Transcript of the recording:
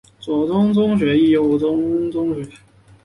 左翼宗学与右翼宗学。